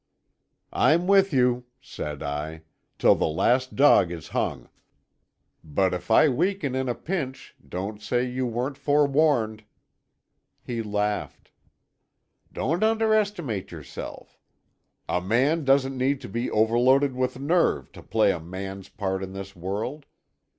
"I'm with you," said I, "till the last dog is hung. But if I weaken in a pinch, don't say you weren't forewarned." He laughed. "Don't underestimate yourself. A man doesn't need to be overloaded with nerve to play a man's part in this world.